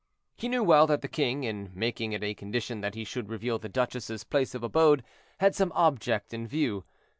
He knew well that the king, in making it a condition that he should reveal the duchess's place of abode, had some object in view.